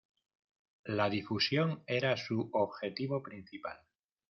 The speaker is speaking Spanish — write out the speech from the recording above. La difusión era su objetivo principal.